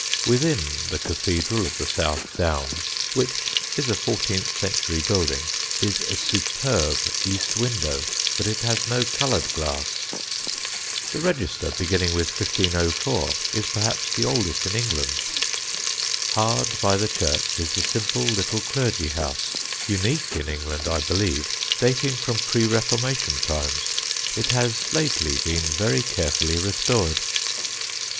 Within the cathedral of the South Downs, which is a fourteenth century building, is a superb east window, but it has no coloured glass. The register, beginning with 1504, is perhaps the oldest in England. Hard by the church is the simple little clergy house unique in England, I believe dating from pre Reformation times. It has lately been very carefully restored.